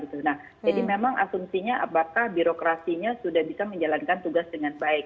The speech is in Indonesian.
jadi memang asumsinya apakah birokrasinya sudah bisa menjalankan tugas dengan baik